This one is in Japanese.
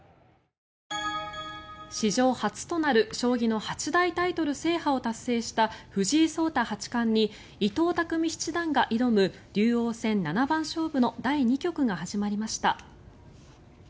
史上初となる将棋の八大タイトル制覇を達成した藤井聡太八冠に伊藤匠七段が挑む竜王戦七番勝負の第２局が始まりました。